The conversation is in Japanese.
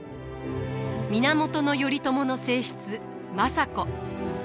源頼朝の正室政子。